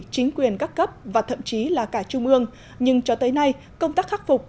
chính quyền các cấp và thậm chí là cả trung ương nhưng cho tới nay công tác khắc phục